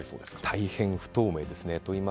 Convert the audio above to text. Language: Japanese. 大変不透明ですね。